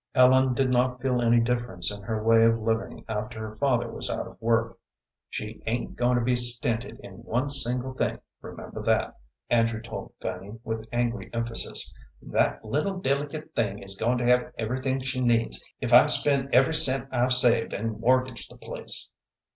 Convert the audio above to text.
Ellen did not feel any difference in her way of living after her father was out of work. "She ain't goin' to be stented in one single thing; remember that," Andrew told Fanny, with angry emphasis. "That little, delicate thing is goin' to have everything she needs, if I spend every cent I've saved and mortgage the place."